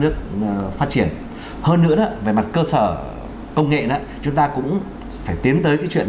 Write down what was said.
chúng ta cũng phải tiến tới cái chuyện